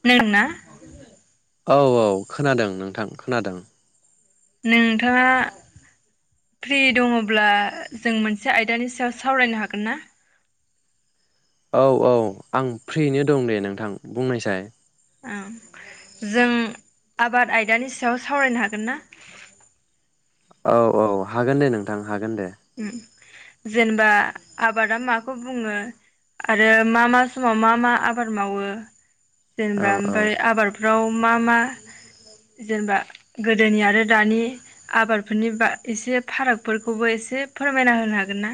खोनादोंना? औ औ खोनादों नोंथां खोनादों। नोंथाङा फ्रि दङब्ला जों मोनसे आयदानि सायाव सावरायनो हागोन ना? औ औ आं फ्रिनो दं दे नोंथां बुंनायसाय। औ जों आबाद आयदानि सायाव सावरायनो हागोन ना? औ औ हागोन दे नोंथां। हागोन दे ओम। जेनेबा आबादा माखौ बुङो आरो मा मा समाव मा मा आबाद मावो? औ जेनेबा औ ओमफ्राय आबादफ्राव मा मा जेनेबा गोदोनि आरो दानि आबादफोरनि बा एसे फारागफोरखौबो एसे से फोरमायना होनो हागोन ना?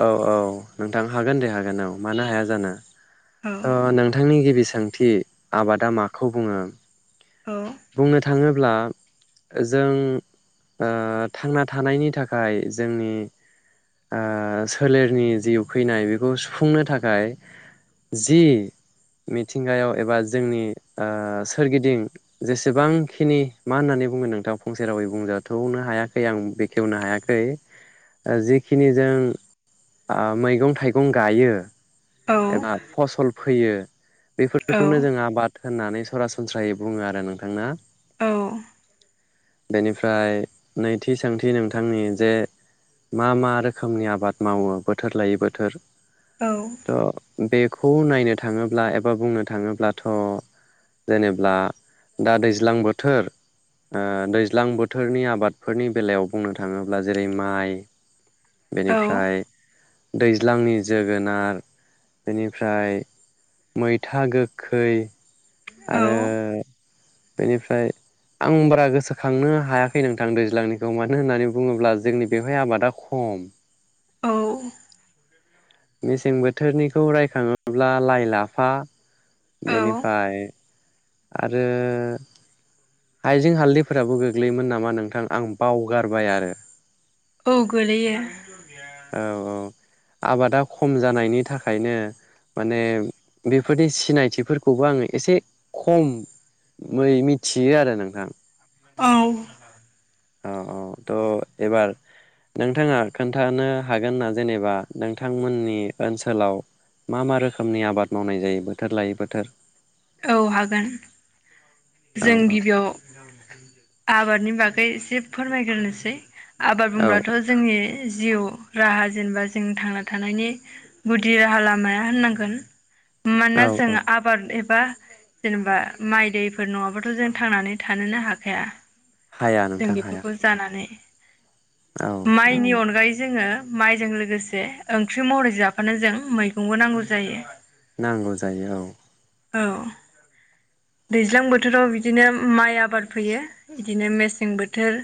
औ औ नोंथां हागोन दे हागोन औ मानो हाया जानो। थ' नोंथांनि गिबि सों थि आबादा माखौ बुङो? बुंनो थाङोब्ला जों ओ थांना थानायनि थाखाय जोंनि ओ सोलेरनि जि उखैनाय बेखौ सुफुंनो थाखाय जि मिथिंगायाव एबा जोंनि ओ सोरगिदिं जेसेबांखिनि मा होननानै बुङो नोंथां फंसे रावै बुंजाथ'नो हायाखै आं बेखेवनो हायाखै ओ जि जिखिनि जों आ मैगं-थाइगं गायो औ एबा फसल फैयो औ बेफोरखौनो जोङो आबाद होननानै सरासनस्रायै बुङो आरो नोंथांना? औ। बेनिफ्राय नैथि सोंथि नोंथांनि जे मा मा रोखोमनि आबाद मावो बोथोर लायै बोथोर? औ। थ' बेखौ नायनो थाङोब्ला एबा बुंनो थाङोब्लाथ' जेनेब्ला दा दैज्लां बोथोर ओ दैज्लां बोथोरनि आबादफोरनि बेलायाव बुंनो थाङोब्ला जेरै माइ औ बेनिफ्राय दैज्लांनि जोगोनार बेनिफ्राय मैथा गोखै आरो औ बेनिफ्राय आं बारा गोसोखांनो हायाखै नोंथां दैज्लांनिखौ मानो होननानै बुङोब्ला जोंनि बेवहाय आबादा खम औ मेसें बोथोरनिखौ रायखाङोब्ला लाइ लाफा औ बेनिफाय आरो हाइजें हालदैफोराबो गोग्लैयोमोन नामा नोंथां आं बावगारबाय आरो औ गोलैयो औ आबादा खम जानायनि थाखायनो माने बेफोरनि सिनायथिफोरखौबो आङो एसे खम मै मिथि बियो आरो नोंथां औ औ औ थ' एबार नोंथाङा खोन्थानो हागोन ना जेनेबा नोंथांमोननि ओनसोलाव मा मा रोखोमनि आबाद मावनाय जायो बोथोर लायै बोथोर? औ हागोन औ जों औ गिबियाव आबादनि बागै एसे फोरमायग्रोनोसै आबाद औ बुंब्लाथ' जोंनि जिउ राहा जेनेबा जों थांना थानायनि गुदि राहा लामाया होननांगोन औ मानोना औ जोङो आबाद एब बा जेनेबा माय दैफोर नङाबाथ' जों थांनानै थानोनो हाखाया हाया जों नोंथां हाया बेफोरखौ जानानै औ माइनि अनगायै जों जोङो माइजों लोगोसे ओंख्रि महरै जाफानो जों मैगंबो नांगौ जायो नांगौ जायो औ औ दैज्लां बोथोराव बिदिनो माइ आबाद फैयो बिदिनो मेसें बोथोर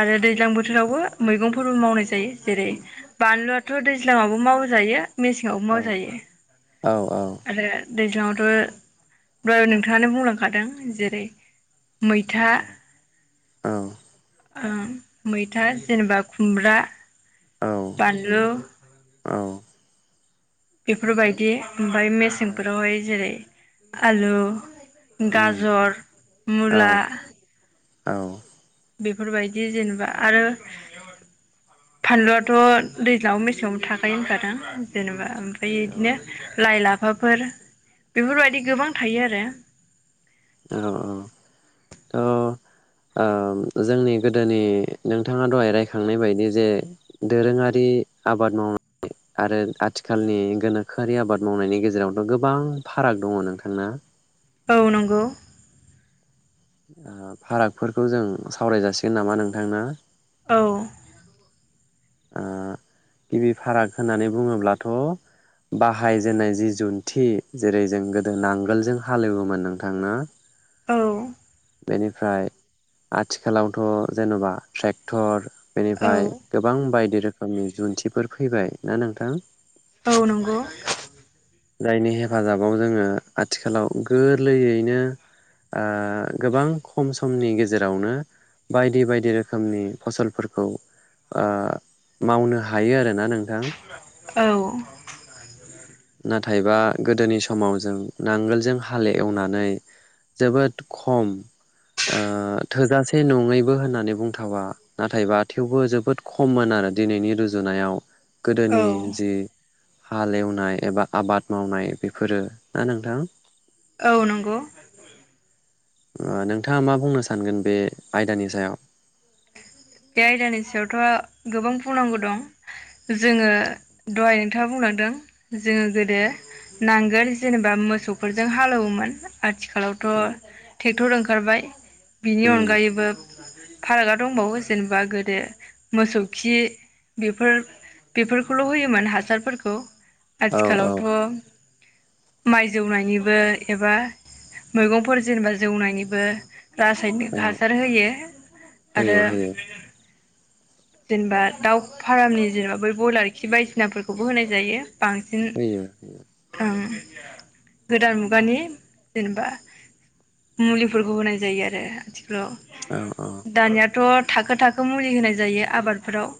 आरो दैज्लां बोथोरावबो मैगंफोरबो मावनाय जायो जेरै बानलुआथ' दैज्लङावबो मावजायो मेसेङावबो औ मावजायो औ औ आरो दैज्लावथ' दथ नोंथाङानो बुंलांखादों जेरै मैथा औ ओ मैथा जेनेबा खुमब्रा बानलु औ बेफोरबायदि ओमफाय मेसेंफोरावहाय जेरै आलु गाजर औ मुला औ बेफोरबायदि जेनेबा आरो फानलुआथ' दैज्लां आवबो मेसेङावबो थाखायो होनखा ना जेनेबा ओमफ्राय थाखायो औ बिदिनो लाइ लाफा बेफोर बेफोरबायदि गोबां थायो आरो। औ औ औ जोंनि गोदोनि नोंथाङा दहाय रायखांनाय बायदि जे दोरोङारि आबाद मावनाय आरो आथिखालनि गोनोखोआरि आबाद मावनायनि गेजेरावथ' गोबां फाराग दङ नोंथांना। औ नंगौ। आ फारागफोरखौ जों सावराय जासिगोन नामा नोंथां ना? औ। गिबि फाराग होननानै बुङोब्लाथ' बाहायजेननाय जि जुन्थि जेरै जों गोदो नांगोलजों हालेवोमोन नोंथांनो ना। औ। बेनिफ्राय आथिखालावथ' जेन'बा ट्रेक्टर। औ बेनिफ्राय गोबां बायदि रोखोम [unintelligible] जुन्थिफोर फैबाय ना नोंथां औ नंगौ। जायनि हेफाजाबाव जोङो आथिखालाव गोरलैयैनो ओ। गोबां खम समनि गेजेरावनो बायदि बायदि रोखोमनि फसलफोरखौ मावनो हायो आरोना नों औ। नाथायबा गोदोनि समाव जों नांगोलजों हाल एवनानै जोबोद खम ओ थोजासे नङैबो होननानै बुंथावा नाथायबा थेवबो जोबोद खममोन आरो दिनैनि रुजुनायाव। औ गोदोनि जि। हाएवनाय एबा आबाद मावनाय बेफोरो ना नोंथां। औ नंगौ। नोंथाङा मा बुंनो सानगोन बे आयदानि सायाव? बे आयदानि सायावथ' गोबां बुंनांगौ दं जोङो दहाय नोंथाङा बुंलांदों जोङो गोदो नांगोल जेनेबा मोसौफोरजों हालोवोमोन। आथिखालावथ' औ ट्रेक्टर ओंख खारबाय। बिनि उम अनगायैबो फारागा दंबावो जेनेबा गोदो मोसौ खि बेफोर बेफोरखौल' होयोमोन हासारफोरखौ औ औ आथिखालावथ' माइ जौनायनिबो एबा मैगंफोर जेनेबा जौनायनिबो औ रासायनिक हासार होयो आरो होयो होयो जेनबा दाउ फारामनि जेनेबा बै बयलार खि बायदिसिनाफोरखौबो होनाय जायो। बांसिन होयो होयो ओं। गोदान मुगानि जेनेबा मुलिफोरखौ होनाय जायो आरो आथि खालाव औ औ दानिया थ' थाखो थाखो मुलि होनाय जायो आबादफोराव।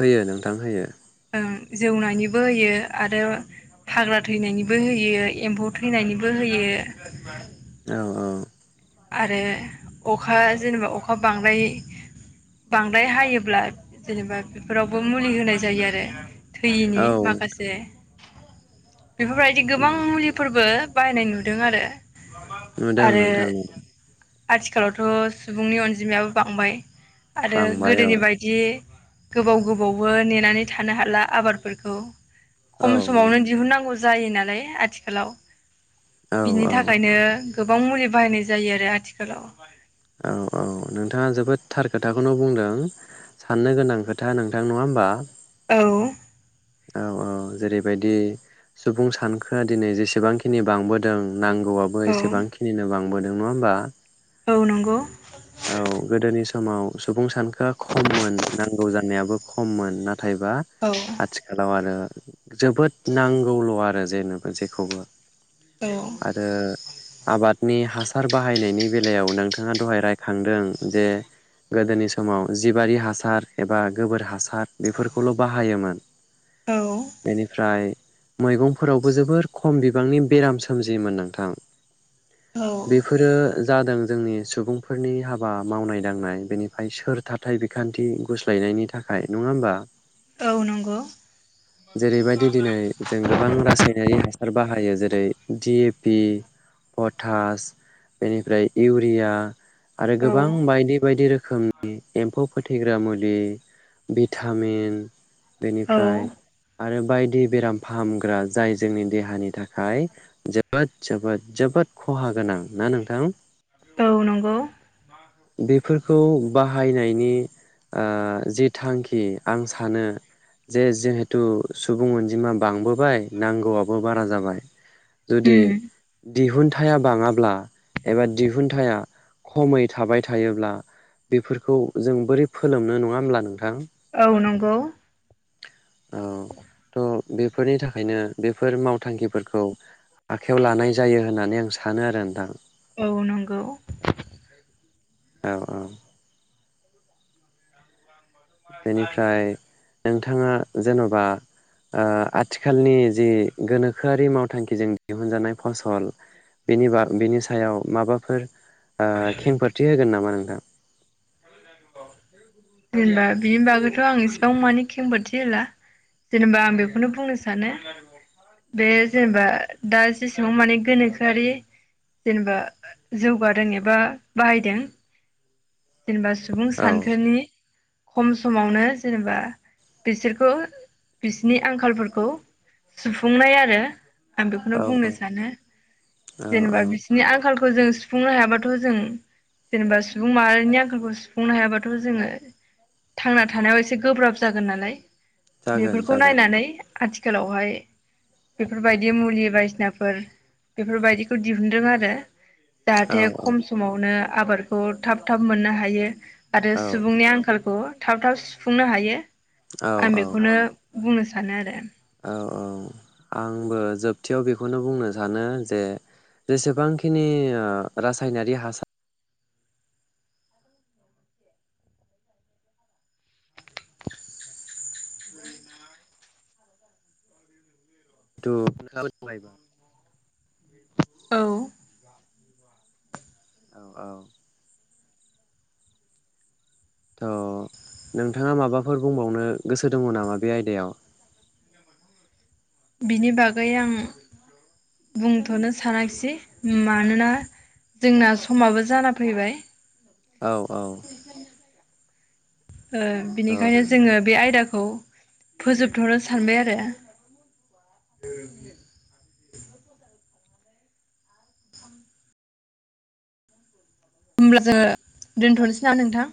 होयो नोंथां होयो। ओं जौनायनिबो होयो आरो हाग्रा थैनायनिबो होयो एम्फौ थैनायनिबो होयो औ औ। आरो अखा जेनेबा अखा बांदाय बांद्राय हायोब्ला जेनेबा बेफोरावबो मुलि होनाय जायो आरो थैयिनि औ माखासे बेफोरबायदि उम गोबां मुलिफोरबो बाहायनाय नुदों आरो नुदों आरो नोंथां नुदों। आथिखालावथ' सुबुंनि अनजिमायाबो बांबाय आरो बांबाय औ गोदोनि बायदि। गोबाव गोबावबो नेनानै थानो हाला आबादफोरखौ औ खम समावनो नोंथां दिहुननांगौ जायो नालाय आथिखालाव औ बिनि औ थाखायनो गोबां मुलि बाहायनाय जा जायो आरो आथिखालाव। औ औ नोंथाङा जोबोद थार खोथाखौनो बुंदों साननो गोनां खोथा नोंथां नङा होम्बा? औ। औ औ जेरैबायदि सुबुं सानखोआ दिनै जेसेबांखिनि बांबोदों नांगौआबो औ एसेबांखिनिनो बां बोदों नङा होमबा? औ नंगौ औ गोदोनि स समाव सुबुं सानखोआ खममोन नांगौ जानायाबो खममोन ना थायबा औ आथिखालाव आरो जोबोद नांगौल आरो जेनोबो जेखौबो औ आरो आबादनि हासार बाहायनायनि बेलायाव नों थाङा दहाय रायखांदों जे गोदोनि समाव जिबारि हासार एबा गोबोर हासार बेफोरखौल बाहायोमोन। औ बेनिफ्राय मैगंफोरावबो जोबोर खम बिबांनि बेराम सोमजियोमोन नोंथां। बेफोरो जादों जोंनि सु सुबुंफोरनि हाबा मावनाय दांनाय बेनिफ्राय सोर थाथाय बिखान्थि गुस्लायनायनि थाखाय नङा होमबा? औ नंगौ जेरैबायदि दिनै जों गोबां रासायनारि हासार बाहायो जेरै दि ए पि, पटास, बेनिफ्राय इउरिया आरो औ गोबां बायदि बायदि रोखोमनि एम्फौ फोथैग्रा मुलि भिटामिन औ बेनिफ्राय आरो बायदि बेराम फाहामग्रा जाय जोंनि देहानि थाखाय जोबोद जोबोद जोबोद खहा गोनां ना नोंथां? औ नंगौ बेफोरखौ बाहायनायनि जि थांखि आं सानो जे जिहेथु सुबुं अनजिमा बांबोबाय नांगौआबो बारा जाबाय। जुदि उम दिहुनथाया बाङाब्ला एबा दिहुनथाया खमै थाबाय थायोब्ला बेफोरखौ जों बोरै फोलोमनो नङा होमब्ला नोंथां। औ नंगौ। औ थ बेफोरनि थाखायनो बेफोर मावथांखिफोरखौ आखायाव लानाय जायो होननानै आं सा सानो आरो नोंथां। औ नंगौ। औ औ बेनिफ्राय नों थाङा जेनबा आ आथिखालनि जि गोनोखोआरि मावथांखिजों दिहुनजानाय फसल बिनि बा बिनि सायाव माबाफोर आ खेंफोरथि होगोन नामा नों? [inaudible] जेनेबा बिनि बागैथ' आं इसिबां माने खेंफोरथि होला जेनेबा आं बेखौनो बुंनो सानो बे जेनेबा दा जेसेबां माने गोनोखोआरि जेनेबा जौगादों एबा बाहायदों जेनेबा सुबुं औ सानखोनि खम समावनो जेनेबा बिसोरखौ बिसिनि आंखालफोरखौ सुफुंनाय आरो आं बेखौनो औ बुंनो सानो औ औ जेनेबा बिसिनि आंखालखौ खौ जों सुफुंनो हायाबाथ' जों जेनेबा सुबुं मा बेनि आंखालखौ सुफुंनो हायाबाथ' जोङो थांना थानायाव एसे गोब्राब जागोन नालाय। जागोन बेफोरखौ जागोन नायनानै आथि खालावहाय बेफोरबायदि मुलि बायदिसिनाफोर बेफोरबायदिखौ दिहुनन्दों आरो औ जाहाथे औ खम समावनो आबादखौ थाब थाब मोननो हायो। आरो औ सुबुंनि आंखालखौ थाब थाब सुफुंनो हायो। औ आं बेखौनो बुंनो सानो आरो औ औ आंबो जोबथियाव बेखौनो बुंनो सानो जे जेसेबांखिनि ओ रासायनारि हासार [unintelligible] औ औ औ थ' नोंथाङा माबाफोर बुंबावनो गोसो दङ नामा बे आयदायाव बिनि बागै आं बुंथ'नो सानाखिसै मानोना जोंना समाबो जाना फैबाय। औ औ ओ थ' बिनिखायनो जोङो बे आयदाखौ फोजोबथ'नो सानबाय आरो होमब्ला जो दोनथ'नोसै नामा नोंथां